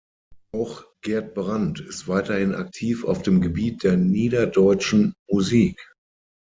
Auch Gerd Brandt ist weiterhin aktiv auf dem Gebiet der niederdeutschen Musik.